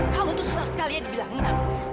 kamu tuh susah sekali ya dibilangin amirah